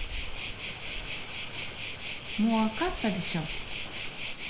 もう分かったでしょ？